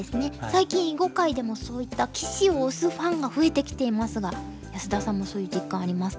最近囲碁界でもそういった棋士を推すファンが増えてきていますが安田さんもそういう実感ありますか？